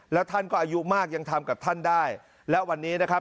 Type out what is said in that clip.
แล้วท่านก็อายุมากยังทำกับท่านได้และวันนี้นะครับ